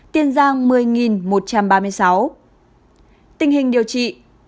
tình hình điều trị